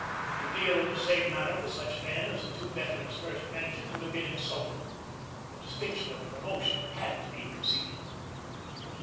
To deal in the same manner with such men as the two veterans first mentioned would have been insulting; the distinction of promotion had to be conceded.